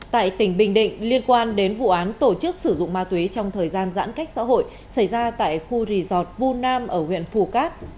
tại tỉnh bình định liên quan đến vụ án tổ chức sử dụng ma túy trong thời gian giãn cách xã hội xảy ra tại khu resortu nam ở huyện phù cát